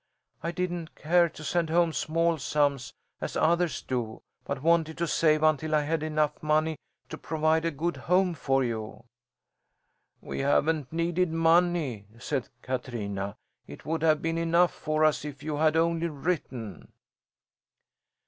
"I didn't care to send home small sums, as others do, but wanted to save until I had enough money to provide a good home for you." "We haven't needed money," said Katrina. "It would have been enough for us if you had only written."